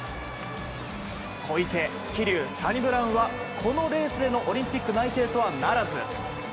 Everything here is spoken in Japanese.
小池、桐生、サニブラウンはこのレースでのオリンピック内定とはならず。